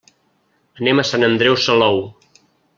Anem a Sant Andreu Salou.